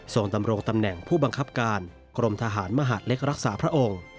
ดำรงตำแหน่งผู้บังคับการกรมทหารมหาดเล็กรักษาพระองค์